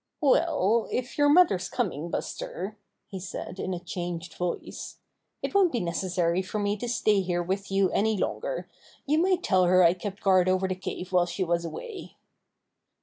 "Well, if your mother's coming, Buster," he said in a changed voice, "it won't be neces sary for me to stay here with you any longer. You might tell her I kept guard over the cave while she was away."